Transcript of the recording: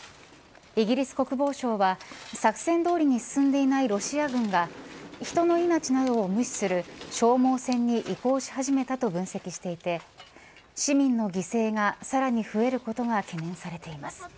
イギリス国防省は作戦どおりに進んでいないロシア軍が人の命などを無視する消耗戦に移行し始めたと分析していて市民の犠牲がさらに増えることが懸念されています。